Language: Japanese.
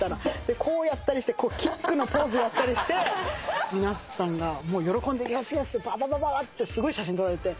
でこうやったりしてキックのポーズやったりして皆さんが喜んで「イエスイエス」ってババババってすごい写真撮られて。